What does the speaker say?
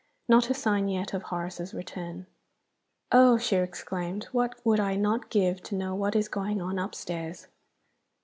Not a sign yet of Horace's return. "Oh!" she exclaimed, "what would I not give to know what is going on upstairs!"